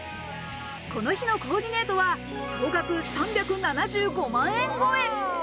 この日のコーディネートは総額３７５万円超え。